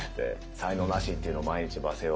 「才能なし」っていうのを毎日罵声を。